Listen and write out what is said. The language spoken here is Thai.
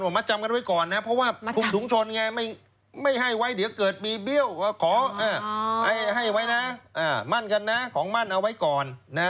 ผมมาจำกันไว้ก่อนนะเพราะว่าคุมถุงชนไงไม่ให้ไว้เดี๋ยวเกิดมีเบี้ยวก็ขอให้ไว้นะมั่นกันนะของมั่นเอาไว้ก่อน